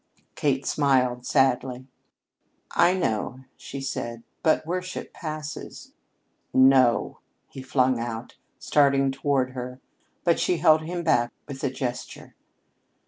Kate smiled sadly. "I know," she said, "but worship passes " "No " he flung out, starting toward her. But she held him back with a gesture.